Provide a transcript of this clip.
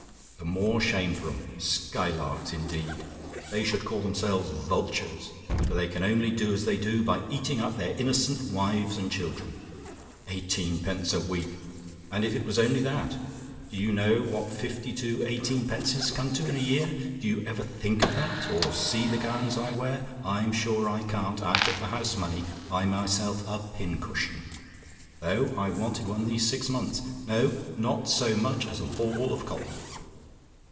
The more shame for 'em! Skylarks, indeed! They should call themselves Vultures; for they can only do as they do by eating up their innocent wives and children. Eighteenpence a week! And if it was only that, do you know what fifty two eighteenpences come to in a year? Do you ever think of that, and see the gowns I wear? I'm sure I can't, out of the house money, buy myself a pin cushion; though I've wanted one these six months. No not so much as a ball of cotton.